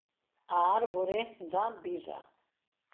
A Árbore Da Vida